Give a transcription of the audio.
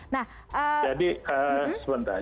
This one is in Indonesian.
nah jadi sebentar